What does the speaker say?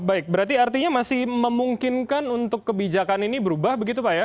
baik berarti artinya masih memungkinkan untuk kebijakan ini berubah begitu pak ya